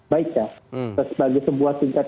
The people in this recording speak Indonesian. baik ya sebagai sebuah tingkat